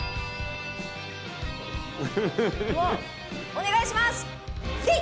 お願いしますでい！